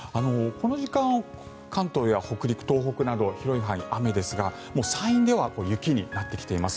この時間関東や北陸、東北など広い範囲で雨ですが山陰では雪になってきています。